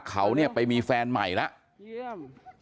เขาไปมีแฟนใหม่แล้ว